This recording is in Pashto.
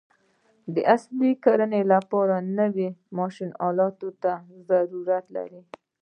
د عصري کرانې لپاره نوي ماشین الاتو ته ضرورت لري.